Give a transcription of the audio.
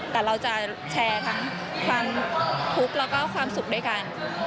แต่เราจะแชร์ทั้งความทุกข์แล้วก็ความสุขด้วยกัน